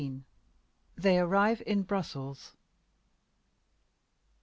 THEY ARRIVE IN BRUSSELS.